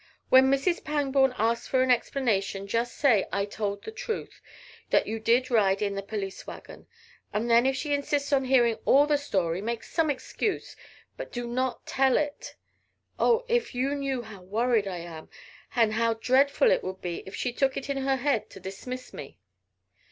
"When Mrs. Pangborn asks for an explanation just say I told the truth, that you did ride in the police wagon. And then if she insists on hearing all the story make some excuse, but do not tell it! Oh! if you knew how worried I am! And how dreadful it would be if she took it into her head to dismiss me!"